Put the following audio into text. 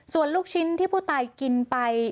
ส่วนลูกชิ้นที่ผู้ตายกินไป